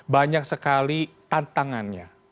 banyak sekali tantangannya